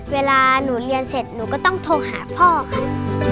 เวลาหนูเรียนเสร็จหนูก็ต้องโทรหาพ่อค่ะ